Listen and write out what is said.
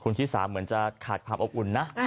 คุณฮิษาเหมือนจะขาดภาพออกอุ่นนะ